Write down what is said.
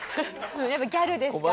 やっぱギャルですから。